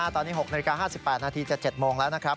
ตอนนี้๖นาฬิกา๕๘นาทีจะ๗โมงแล้วนะครับ